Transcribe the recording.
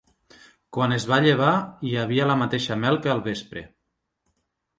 Quan es va llevar, hi havia la mateixa mel que al vespre.